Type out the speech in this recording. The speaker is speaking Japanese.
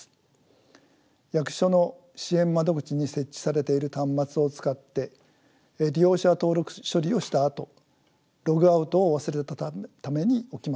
役所の支援窓口に設置されている端末を使って利用者が登録処理をしたあとログアウトを忘れたために起きました。